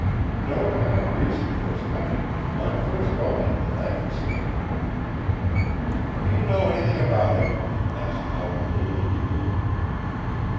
No apparent reason for his coming, none for his going, that I can see." "Do you know anything about him?" asked Howland a little eagerly.